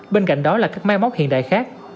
bên cạnh đó là các máy móc hiện đại khác